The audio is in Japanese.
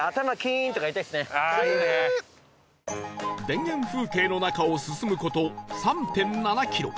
田園風景の中を進む事 ３．７ キロ